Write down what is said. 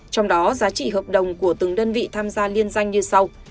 trong đó giá trị hợp đồng của từng đơn vị tham gia liên danh như sau